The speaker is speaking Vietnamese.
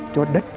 cho đất nước mắt